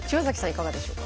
いかがでしょうか？